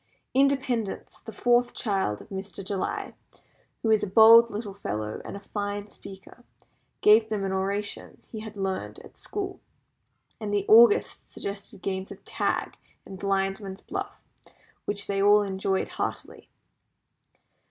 Independence, the fourth child of Mr. July, who is a bold little fellow, and a fine speaker, gave them an oration he had learned at school; and the Augusts suggested games of tag and blindman's buff, which they all enjoyed heartily.